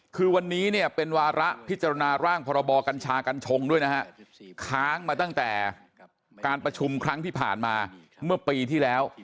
คือวันนี้เนี่ยเป็นวาระพิจารณาร่างพรบกัญชากัญชงด้วยนะฮะค้างมาตั้งแต่การประชุมครั้งที่ผ่านมาเมื่อปีที่แล้ว